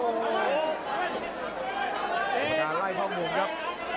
กรรมการธ์ไล่เข้ามงครับ